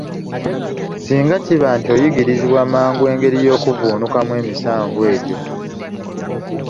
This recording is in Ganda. Singa kiba nti oyigirizibwa mangu engeri y'okuvvuunukamu emisanvu egyo.